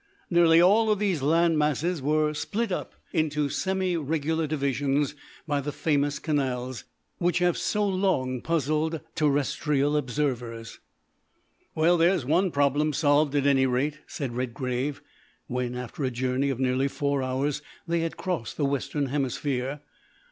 Nearly all of these land masses were split up into semi regular divisions by the famous canals which have so long puzzled terrestrial observers. "Well, there is one problem solved at any rate," said Redgrave, when, after a journey of nearly four hours, they had crossed the western hemisphere.